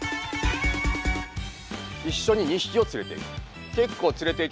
一緒に２匹を連れていく。